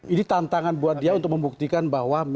ini tantangan buat dia untuk membuktikan bahwa